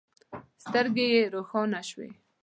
سترګې يې روښانه شوې.